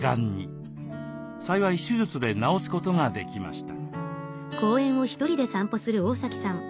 幸い手術で治すことができました。